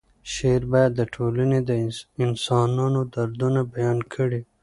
شعر باید د ټولنې د انسانانو دردونه بیان کړي.